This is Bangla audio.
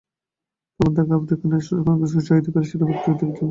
তখন থেকে আফ্রিকান ন্যাশনাল কংগ্রেসকে সহায়তাকারী সেরা ব্যক্তিদের একজন হয়ে যান সোল।